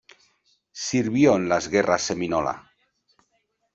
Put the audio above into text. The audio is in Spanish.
Sirvió en las Guerras Seminola.